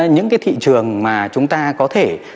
những cái thị trường mà chúng ta có thể